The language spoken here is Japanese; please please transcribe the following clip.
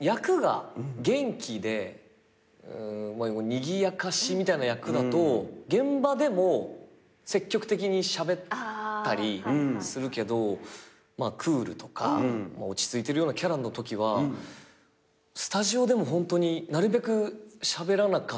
役が元気でにぎやかしみたいな役だと現場でも積極的にしゃべったりするけどクールとか落ち着いてるようなキャラのときはスタジオでもホントになるべくしゃべらなかったり。